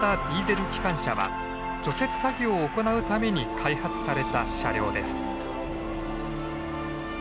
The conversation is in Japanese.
ディーゼル機関車は除雪作業を行うために開発された車両です。